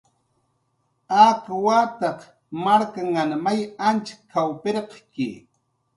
Ak wataw marknhan may pirq pirqki